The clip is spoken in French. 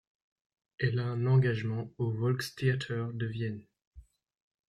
Elle a un engagement au Volkstheater de Vienne.